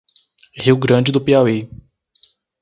Rio Grande do Piauí